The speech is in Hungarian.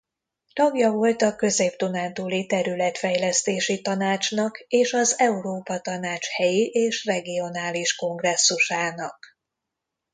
Tagja volt a Közép-dunántúli Területfejlesztési Tanácsnak és az Európa Tanács Helyi és Regionális Kongresszusának.